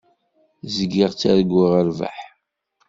Zgiɣ ttarguɣ rrbeḥ.